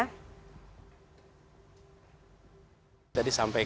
mas anies dan juga mas ganjar bicara soal netralitas saya putarkan ya